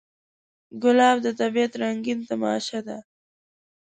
ګلاب د طبیعت رنګین تماشه ده.